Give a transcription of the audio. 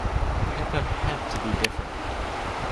Pepper had to be different.